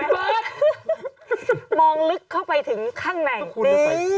เบิร์ตมองลึกเข้าไปถึงข้างในคุณ